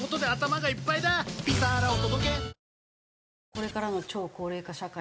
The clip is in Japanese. これからの超高齢化社会